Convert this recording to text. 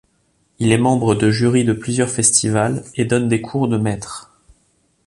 Il est membre de jury de plusieurs festivals et donne des cours de maître.